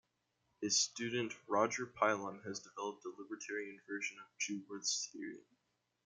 His student Roger Pilon has developed a libertarian version of Gewirth's theory.